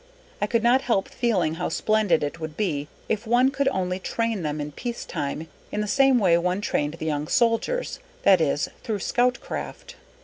I could not help feeling how splendid it would be if one could only train them in peace time in the same way one trained the young soldiers that is, through Scoutcraft.